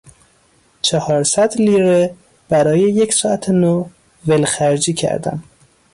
چهار صد لیره برای یک ساعت نو ولخرجی کردم.